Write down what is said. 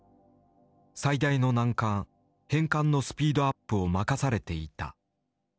最大の難関変換のスピードアップを任されていた。